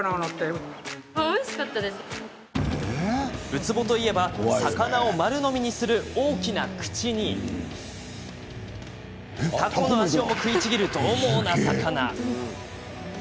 ウツボといえば魚を丸飲みにする大きな口にタコの足をも食いちぎるどう猛な魚。